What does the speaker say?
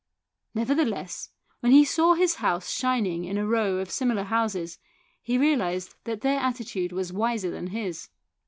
Nevertheless, when he saw his house shining in a row of similar houses, he realised that their attitude was wiser than his.